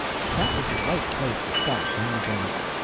That was the right place to stop, and we done it.